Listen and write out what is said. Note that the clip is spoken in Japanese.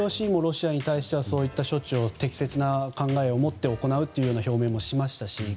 ＩＯＣもロシアに対してはそういう措置を適切な考えを持って行うという表明もしましたし